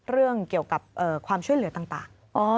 เรื่องเกี่ยวกับความช่วยเหลือต่าง